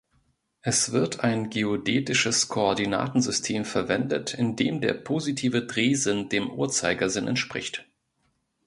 Es wird ein geodätisches Koordinatensystem verwendet, in dem der positive Drehsinn dem Uhrzeigersinn entspricht.